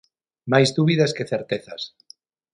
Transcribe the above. Máis dúbidas que certezas.